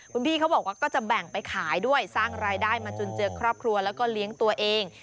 คุณพี่เขาบอกว่าก็จะแบ่งไปขายด้วยสร้างรายได้มาจุนเจือครอบครัวแล้วก็เลี้ยงตัวเอง